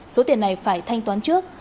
số tiền này phải thanh toán trước